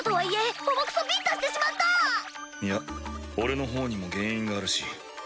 いや俺のほうにも原因があるし。